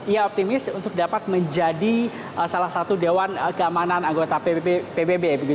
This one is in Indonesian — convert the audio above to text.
ia optimis untuk dapat menjadi salah satu dewan keamanan anggota pbb